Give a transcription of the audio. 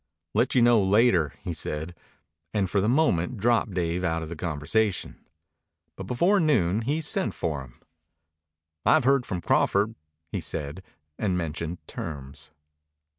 "Let you know later," he said, and for the moment dropped Dave out of the conversation. But before noon he sent for him. "I've heard from Crawford," he said, and mentioned terms.